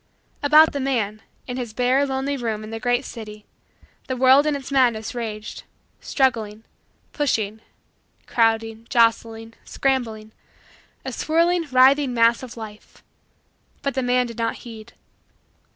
About the man in his bare, lonely, room in the great city, the world in its madness raged struggling, pushing, crowding, jostling, scrambling a swirling, writhing, mass of life but the man did not heed.